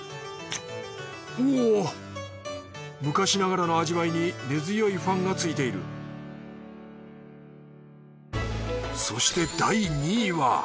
おっ昔ながらの味わいに根強いファンがついているそして第２位は。